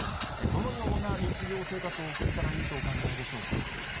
どのような日常生活を送ったらいいとお考えでしょうか。